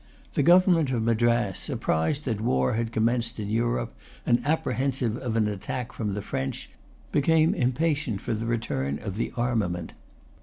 The government of Madras, apprised that war had commenced in Europe, and apprehensive of an attack from the French, became impatient for the return of the armament.